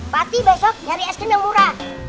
pati besok nyari es krim yang murah